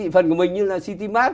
phần của mình như là citymart